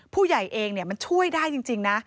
ผู้ใหญ่เองมันช่วยได้จริงนะ